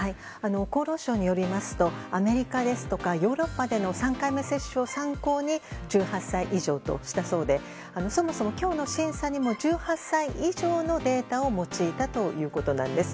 厚労省によりますとアメリカですとかヨーロッパでの３回目接種を参考に１８歳以上としたそうでそもそも今日の審査にも１８歳以上のデータを用いたということなんです。